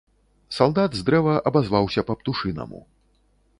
Салдат з дрэва абазваўся па-птушынаму.